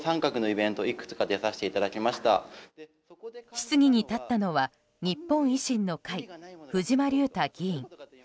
質疑に立ったのは日本維新の会藤間隆太議員。